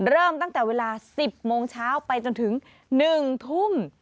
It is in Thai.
เริ่มตั้งแต่เวลา๑๐โมงเช้าไปจนถึง๑ทุ่ม